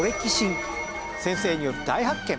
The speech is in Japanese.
先生による大発見。